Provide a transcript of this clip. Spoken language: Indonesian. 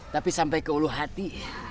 tapi sampai ke ulu hati